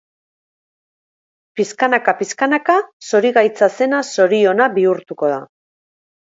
Pixkanaka-pixkanaka zorigaitza zena zoriona bihurtuko da.